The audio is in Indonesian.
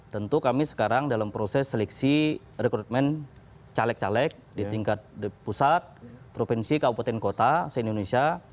tentu kami sekarang dalam proses seleksi rekrutmen caleg caleg di tingkat pusat provinsi kabupaten kota se indonesia